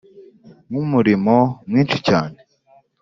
nkumurimo mwinshi cyane